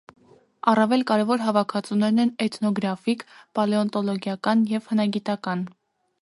Առավել կարևոր հավաքածուներն են՝ էթնոգրաֆիկ, պալեոնտոլոգիական և հնագիտական։